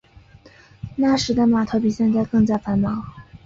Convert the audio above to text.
那时的码头比现在更加繁忙。